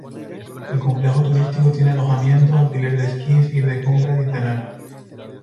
El complejo turístico tiene alojamiento, alquiler de esquís, ir de compras, y cenar.